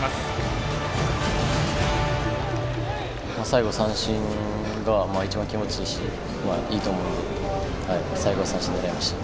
最後三振が一番気持ちいいしいいと思うので最後は三振を狙いました。